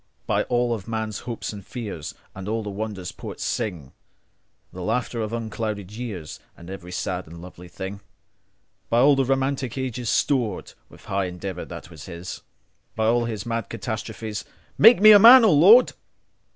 By all of all men's hopes and fears, And all the wonders poets sing, The laughter of unclouded years, And every sad and lovely thing:By the romantic ages storedWith high endeavour that was his, By all his mad catastrophes, Make me a man, O Lord.